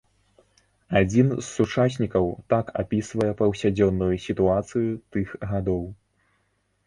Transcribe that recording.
Адзін з сучаснікаў так апісвае паўсядзённую сітуацыю тых гадоў.